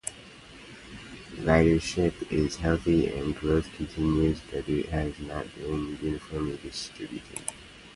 Ridership is healthy and growth continues, but it has not been uniformly distributed.